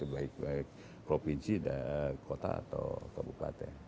baik baik provinsi kota atau kabupaten